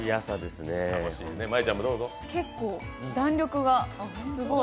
結構弾力がすごい。